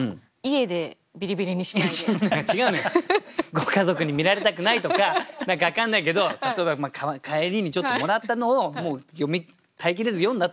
ご家族に見られたくないとか何か分かんないけど例えば帰りにちょっともらったのを耐えきれず読んだとか。